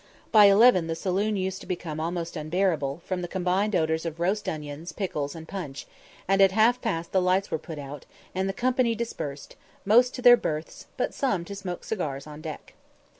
By eleven the saloon used to become almost unbearable, from the combined odours of roast onions, pickles, and punch, and at half past the lights were put out, and the company dispersed, most to their berths, but some to smoke cigars on deck.